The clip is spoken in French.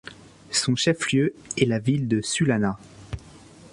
Son chef-lieu est la ville de Sullana.